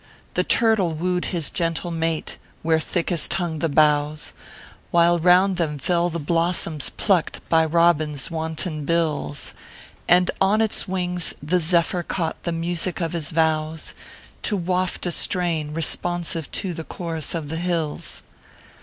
The turtle wooed his gentle mate, where thickest hung the boughs, While round them fell the blossoms plucked by robins wanton bills ; And on its wings the zephyr caught the music of his vows, To waft a strain responsive to the chorus of the hills.